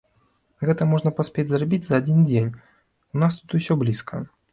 Гэта можна паспець зрабіць за адзін дзень, у нас тут усё блізка.